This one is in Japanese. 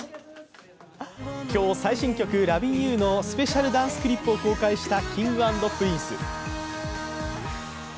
今日、最新曲「Ｌｏｖｉｎ’ｙｏｕ」のスペシャルダンスクリップを公開したＫｉｎｇ＆Ｐｒｉｎｃｅ。